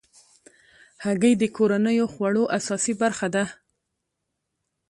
هګۍ د کورنیو خوړو اساسي برخه ده.